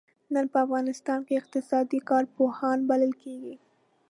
نن په افغانستان کې اقتصادي کارپوهان بلل کېږي.